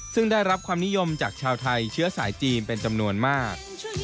ซึ่งได้รับความนิยมจากชาวไทยเชื้อสายจีนเป็นจำนวนมาก